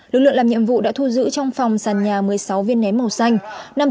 lực lượng làm nhiệm vụ đã thu giữ trong phòng sàn nhà một mươi sáu viên nén màu xanh